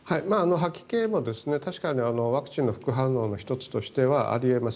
吐き気も確かにワクチンの副反応の１つとしてはあり得ます。